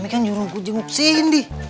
mami kan jurang kujengup sini